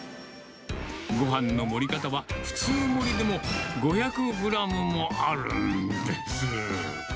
ごはんの盛り方は、普通盛でも５００グラムもあるんです。